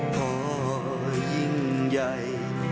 พอยิ่งใหญ่